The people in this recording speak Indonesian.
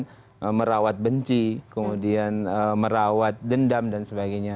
kemudian merawat benci kemudian merawat dendam dan sebagainya